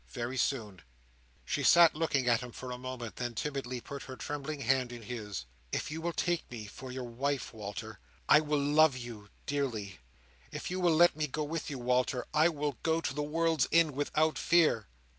"Very soon." She sat looking at him for a moment; then timidly put her trembling hand in his. "If you will take me for your wife, Walter, I will love you dearly. If you will let me go with you, Walter, I will go to the world's end without fear.